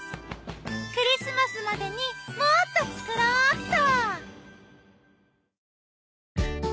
クリスマスまでにもっと作ろうっと！